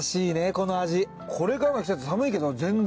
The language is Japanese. これからの季節寒いけど全然。